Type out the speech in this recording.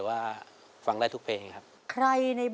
ว่าฟังได้ทุกเพลงครับ